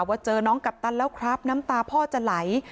ว่าเจอน้องกัปตันแล้วครับน้ำตาพ่อจะไหล